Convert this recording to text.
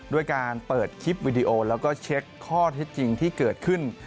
ด้วยการเปิดคลิปวิดีโอแล้วก็เช็คข้อเท็จจริงที่เกิดขึ้น